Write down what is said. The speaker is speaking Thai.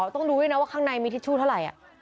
ต้องดูด้วยนะว่าข้างในมีทิชชู่เท่าไหร่